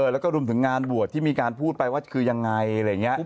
แล้วก็ทุ่มถึงงานบวชที่มีการพูดไปว่าคือยังไง